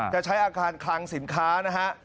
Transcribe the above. จะใช้อาคารคลังสินค้านะฮะ